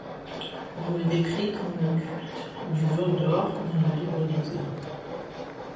On le décrit comme le culte du veau d'or dans le livre d'Osée.